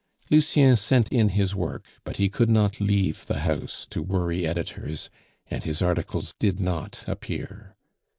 Lucien sent in his work, but he could not leave the house to worry editors, and his articles did not appear.